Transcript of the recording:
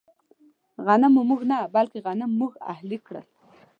غنمو موږ نه، بلکې غنم موږ اهلي کړل.